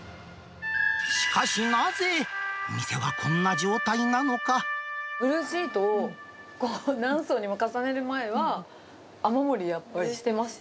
しかし、なぜ、店はこんな状態なブルーシートをこう、何層にも重ねる前は、雨漏りやっぱりしてました？